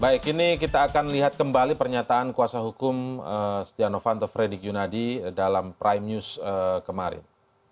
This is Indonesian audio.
baik ini kita akan lihat kembali pernyataan kuasa hukum stjanovan atau fredy kyunadi dalam primus kemarin